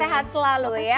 sehat selalu ya